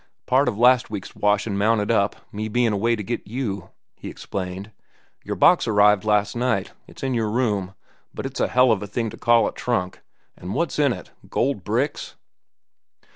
"Part of last week's washin' mounted up, me bein' away to get you," he explained. "Your box arrived all right. It's in your room. But it's a hell of a thing to call a trunk. An' what's in it? Gold bricks?"